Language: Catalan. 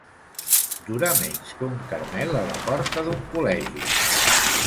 Durar menys que un caramel a la porta d'un col·legi.